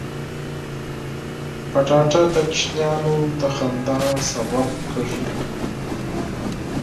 کچالو د ماشومانو د خندا سبب کېږي